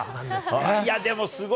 いや、でもすごい。